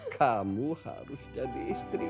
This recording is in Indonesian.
kamu harus jadi istri